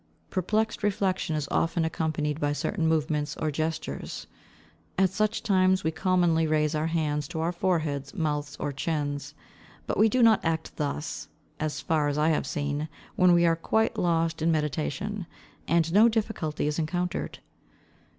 Perplexed reflection is often accompanied by certain movements or gestures. At such times we commonly raise our hands to our foreheads, mouths, or chins; but we do not act thus, as far as I have seen, when we are quite lost in meditation, and no difficulty is encountered.